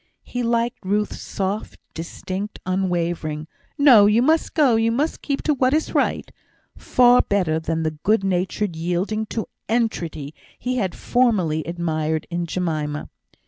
He liked Ruth's soft, distinct, unwavering "No! you must go. You must keep to what is right," far better than the good natured yielding to entreaty he had formerly admired in Jemima.